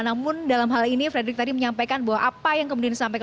namun dalam hal ini frederick tadi menyampaikan bahwa apa yang kemudian disampaikan